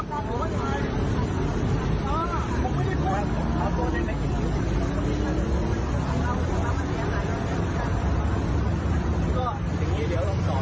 ถามที่ผมมาพูดให้คุ้กไม่ได้คนเลย